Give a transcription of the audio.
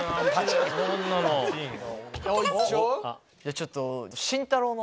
ちょっと。